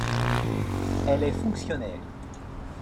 Elle est fonctionnaire.